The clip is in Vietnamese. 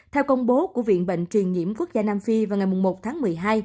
theo công bố của viện bệnh truyền nhiễm quốc gia nam phi vào ngày một tháng một mươi hai